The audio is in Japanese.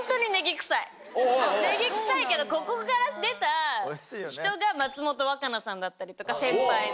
ネギ臭いけどここから出た人が松本若菜さんだったりとか先輩の。